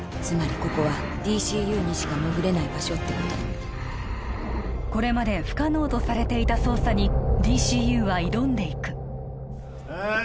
つまりここはＤＣＵにしか潜れない場所ってことこれまで不可能とされていた捜査にＤＣＵは挑んでいくええ